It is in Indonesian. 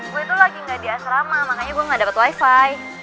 gue tuh lagi enggak di asrama makanya gue enggak dapat wifi